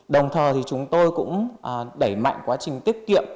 đồng thời thì chúng tôi cũng đẩy mạnh quá trình tiết kiệm